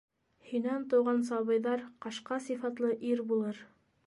Һинән тыуған сабыйҙар ҡашҡа сифатлы ир булыр.